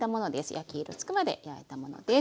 焼き色つくまで焼いたものです。